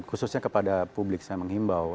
khususnya kepada publik saya menghimbau